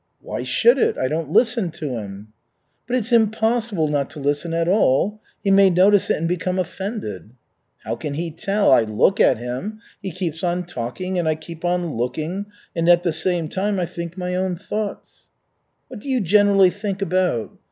"Why should it? I don't listen to him." "But it's impossible not to listen at all. He may notice it and become offended." "How can he tell? I look at him. He keeps on talking and I keep on looking and at the same time I think my own thoughts." "What do you generally think about?"